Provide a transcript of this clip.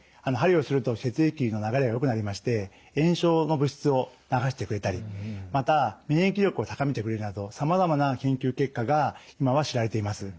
鍼をすると血液の流れがよくなりまして炎症の物質を流してくれたりまた免疫力を高めてくれるなどさまざまな研究結果が今は知られています。